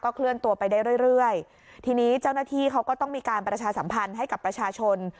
เคลื่อนตัวไปได้เรื่อยเรื่อยทีนี้เจ้าหน้าที่เขาก็ต้องมีการประชาสัมพันธ์ให้กับประชาชน